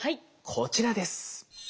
こちらです。